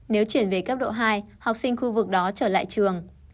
nếu chuyển về cấp độ hai học sinh khu vực đó trở lại trường